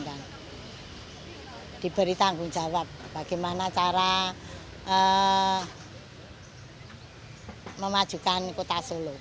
diberi tanggung jawab bagaimana cara memajukan kota solo